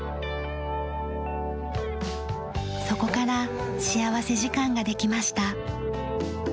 そこから幸福時間ができました。